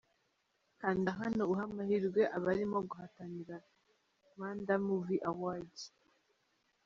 Kanda hano uhe amahirwe abarimo guhatanira Rwanda Movie Awards.